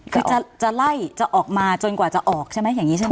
คือจะไล่จะออกมาจนกว่าจะออกใช่ไหมอย่างนี้ใช่ไหม